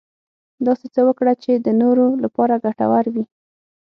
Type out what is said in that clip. داسې څه وکړه چې د نورو لپاره ګټور وي .